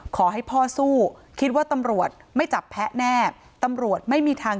ขอให้พ่อสู้คิดว่าตำรวจไม่จับแพ้แน่ตำรวจไม่มีทาง